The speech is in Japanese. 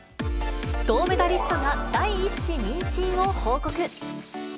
銅メダリストが第１子妊娠を報告。